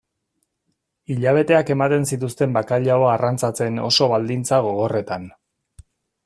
Hilabeteak ematen zituzten bakailaoa arrantzatzen oso lan baldintza gogorretan.